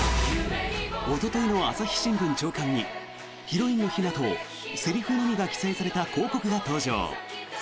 おとといの朝日新聞朝刊にヒロインの陽菜とセリフのみが記載された広告が登場。